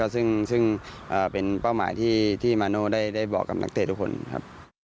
ซึ่งเป้าหมายที่มานูได้บอกกับนักเตรียมทุกคนครับ